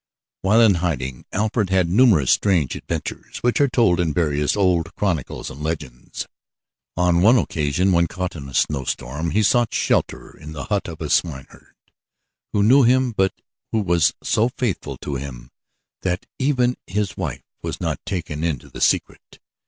While in hiding Alfred had numerous strange adventures which are told in various old chronicles and legends. On one occasion, when caught in a snowstorm, he sought shelter in the hut of a swineherd who knew him, but who was so faithful to him that even his wife was not taken into the secret.